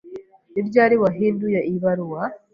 Ni ryari wahinduye iyi baruwa?